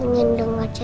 si buruk rupa